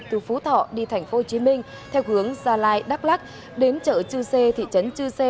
từ phú thọ đi tp hcm theo hướng gia lai đắk lắc đến chợ chư sê thị trấn chư sê